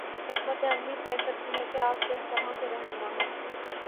حکمت عملی طے کرتی ہے کہ آپ کس سطح کے رہنما ہیں۔